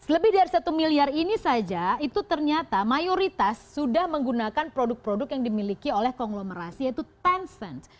lebih dari satu miliar ini saja itu ternyata mayoritas sudah menggunakan produk produk yang dimiliki oleh konglomerasi yaitu tencense